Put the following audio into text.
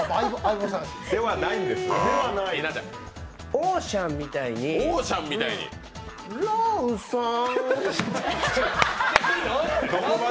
オーシャンみたいにロソン。